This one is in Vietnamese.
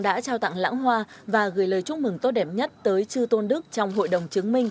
đã trao tặng lãng hoa và gửi lời chúc mừng tốt đẹp nhất tới chư tôn đức trong hội đồng chứng minh